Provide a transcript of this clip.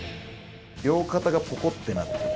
両肩がポコッてなってる。